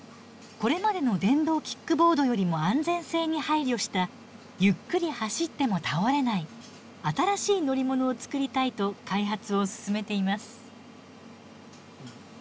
これまでの電動キックボードよりも安全性に配慮したゆっくり走っても倒れない新しい乗り物を作りたいと開発を進めています。